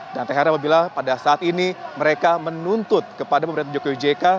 dan tegaknya apabila pada saat ini mereka menuntut kepada pemerintahan jokowi jk